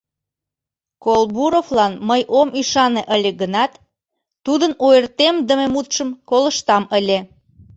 Колбуровлан мый ом ӱшане ыле гынат, тудын ойыртемдыме мутшым колыштам ыле.